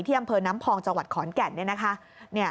ที่บนบริษัทน้ำพองจังหวัดขอลแก่น